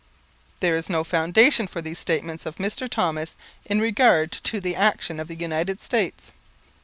'" There is no foundation for these statements of Mr. Thomas in regard to the action of the United States.